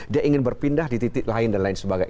dia ingin berpindah di titik lain dan lain sebagainya